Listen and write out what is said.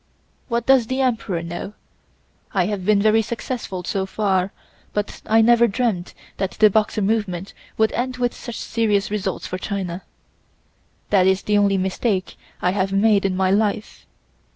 What does the Emperor know? I have been very successful so far, but I never dreamt that the Boxer movement would end with such serious results for China. That is the only mistake I have made in my life.